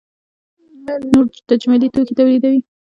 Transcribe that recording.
نور تجملي توکي تولیدوي.